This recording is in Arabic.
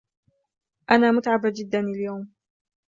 أنا متعبة جدا اليوم.